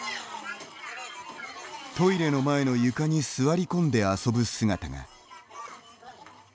トイレの前の床に座り込んで遊ぶ姿が。